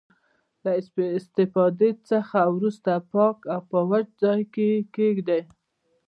له استفادې څخه وروسته پاک او په وچ ځای کې یې کیږدئ.